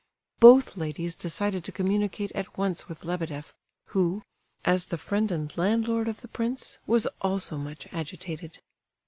Both ladies decided to communicate at once with Lebedeff, who, as the friend and landlord of the prince, was also much agitated.